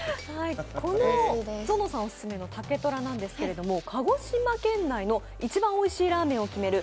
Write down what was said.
ぞのさんオススメのＴＡＫＥＴＯＲＡなんですけれども鹿児島県内の一番おいしいラーメンを決める